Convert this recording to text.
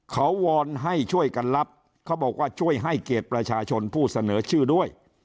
เขาวอนให้ช่วยกันรับเขาบอกว่าช่วยให้เกียรติประชาชนผู้เสนอชื่อด้วย